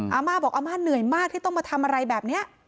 อาม่าบอกอาม่าเหนื่อยมากที่ต้องมาทำอะไรแบบนี้